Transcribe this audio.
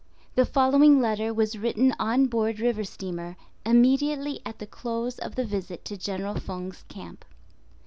* (The following letter was written on board river steamer immediately at the close of the visit to General Feng's camp.)